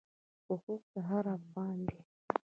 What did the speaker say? حقوق د هر افغان دی.